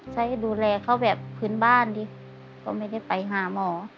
ใช้ดูแลเขาแบบพื้นบ้านดิก็ไม่ได้ไปหาหมอ